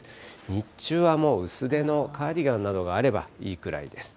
日中はもう薄手のカーディガンなどがあればいいくらいです。